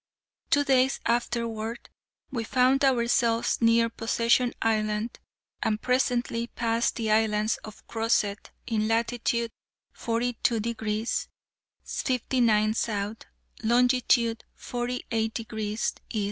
Two days afterward we found ourselves near Possession Island, and presently passed the islands of Crozet, in latitude 42 degrees 59' S., longitude 48 degrees E.